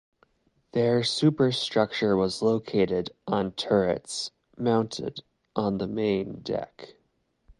Their superstructure was located on turrets mounted on the main deck.